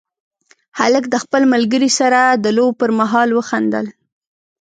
هلک د خپل ملګري سره د لوبو پر مهال وخندل.